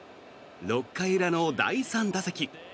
６回裏の第３打席。